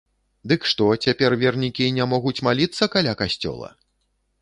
Дык што, цяпер вернікі не могуць маліцца каля касцёла?